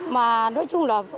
mà nói chung là